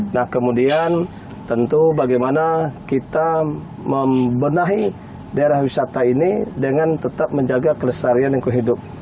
nah kemudian tentu bagaimana kita membenahi daerah wisata ini dengan tetap menjaga kelestarian lingkungan hidup